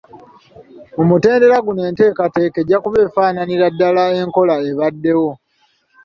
Mu mutendera guno enteekateeka ejja kuba efaananira ddala n’enkola ebaddewo.